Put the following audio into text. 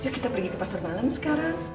kita pergi ke pasar malam sekarang